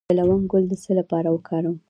د لونګ ګل د څه لپاره وکاروم؟